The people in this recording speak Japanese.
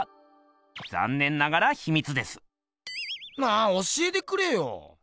あ教えてくれよ！